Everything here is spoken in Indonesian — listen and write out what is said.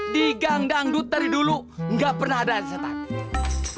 di gang dangdut dari dulu nggak pernah ada setan